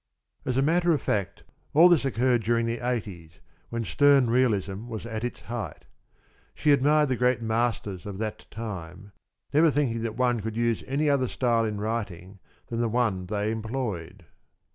As a matter of fact, all this occurred during the eighties, when stern Realism was at its height. She admired the great masters of that time, never thinking that one could use any other style in writing than the one they employed.